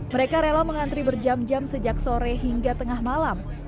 mereka rela mengantri berjam jam sejak sore hingga tengah malam